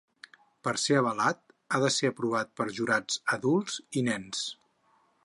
Per ser avalat, ha de ser aprovat per jurats adults i nens.